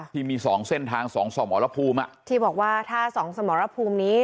ที่มี๒เส้นทาง๒สมรภูมิที่บอกว่าถ้า๒สมรภูมินี้